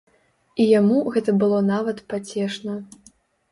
І яму гэта было нават пацешна.